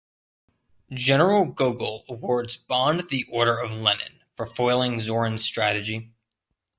General Gogol awards Bond the Order of Lenin for foiling Zorin's strategy.